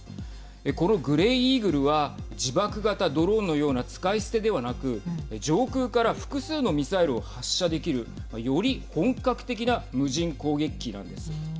このグレイイーグルは自爆型ドローンのような使い捨てではなく上空から複数のミサイルを発射できるより本格的な無人攻撃機なんです。